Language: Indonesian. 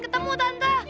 tante mau ketemu tante